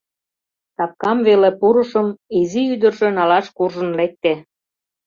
Капкам веле пурышым, изи ӱдыржӧ налаш куржын лекте.